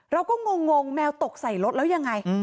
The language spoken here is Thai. งงแมวตกใส่รถแล้วยังไง